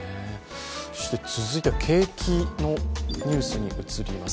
続いては景気のニュースに移ります。